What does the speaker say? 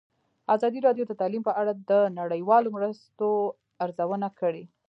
ازادي راډیو د تعلیم په اړه د نړیوالو مرستو ارزونه کړې.